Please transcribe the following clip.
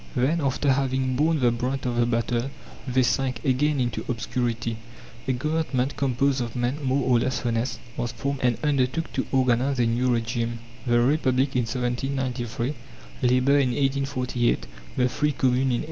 Then, after having borne the brunt of the battle, they sank again into obscurity. A Government, composed of men more or less honest, was formed and undertook to organize a new regime: the Republic in 1793, Labour in 1848, the Free Commune in 1871.